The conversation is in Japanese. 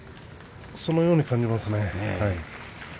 そのように感じますね。